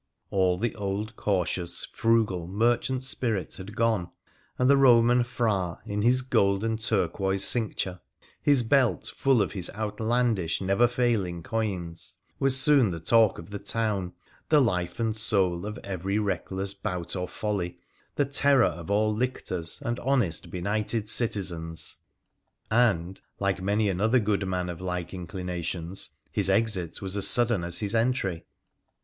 All the old cautious, frugal, merchant spirit had gone, and the Eoman Phra, in his gold and turquoise cincture, his belt full of his outlandish, never failing coins, was soon the talk of the town, the life and soul of every reckless bout or folly, the terror of all lictors and honest, benighted citizens. And, like many another good young man of like inclinations, his exit was as sudden as his entry